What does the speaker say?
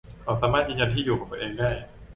เขาสามารถยืนยันที่อยู่ของตัวเองได้